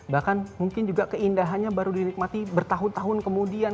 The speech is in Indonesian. bahkan mungkin juga keindahannya baru dinikmati bertahun tahun kemudian